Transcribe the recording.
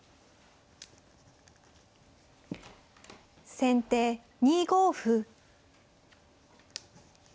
先手２五歩。